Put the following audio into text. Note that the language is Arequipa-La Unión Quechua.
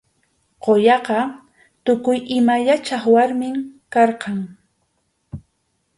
Quyaqa tukuy ima yachaq warmim karqan.